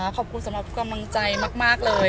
ขอบคุณสำหรับกำลังใจมากเลย